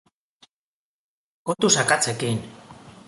Kontuz akatsekin!